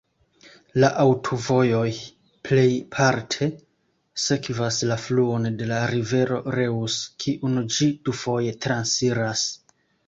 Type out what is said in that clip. La aŭtovojo plejparte sekvas la fluon de la rivero Reuss, kiun ĝi dufoje transiras.